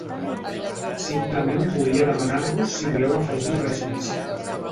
Simplement volia demanar-vos si voleu afegir res més.